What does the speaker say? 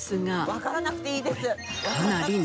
わからなくていいです！